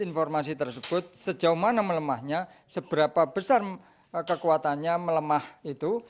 informasi tersebut sejauh mana melemahnya seberapa besar kekuatannya melemah itu